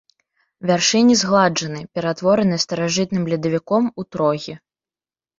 Вяршыні згладжаны, ператвораны старажытным ледавіком у трогі.